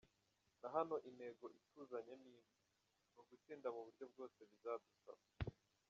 Na hano intego ituzanye ni imwe, ni ugutsinda mu buryo bwose bizadusaba.